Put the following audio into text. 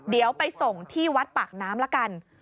เดี๋ยวไปส่งที่วัดปากน้ำละกัน